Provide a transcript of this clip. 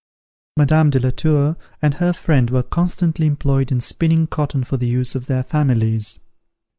Madame de la Tour and her friend were constantly employed in spinning cotton for the use of their families.